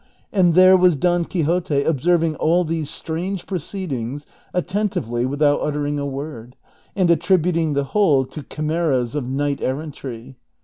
And there was Don Quixote observing all these strange proceedings attentively without uttering a word, and attributing the whole to chimeras of knight errantry.